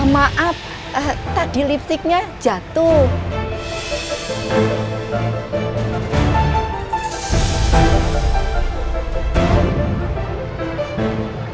maaf tadi lipsticknya jatuh